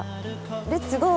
レッツゴー。